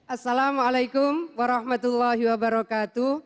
assalamualaikum warahmatullahi wabarakatuh